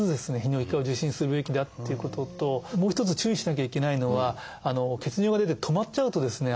泌尿器科を受診するべきだっていうことともう一つ注意しなきゃいけないのは血尿が出て止まっちゃうとですね